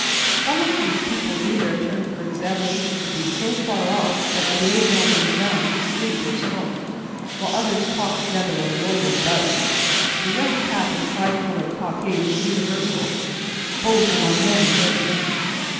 Some of these people knew their turn for examination to be so far off, that they lay down on the ground to sleep or smoke, while others talked together, or loitered about. The red cap and tri colour cockade were universal, both among men and women.